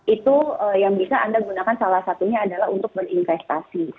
itu yang bisa anda gunakan salah satunya adalah untuk berinvestasi